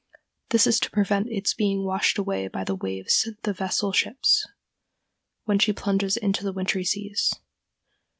This is to prevent its being washed away by the waves the vessel ships when she plunges into the wintry seas.